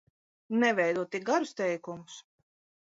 Neveido tik garus teikumus!